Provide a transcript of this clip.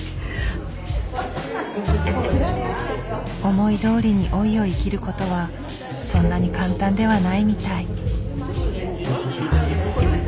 思いどおりに老いを生きる事はそんなに簡単ではないみたい。